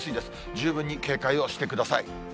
十分に警戒をしてください。